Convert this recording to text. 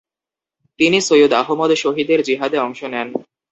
তিনি সৈয়দ আহমদ শহীদের জিহাদে অংশ নেন।